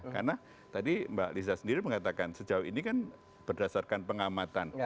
karena tadi mbak lisa sendiri mengatakan sejauh ini kan berdasarkan pengamatan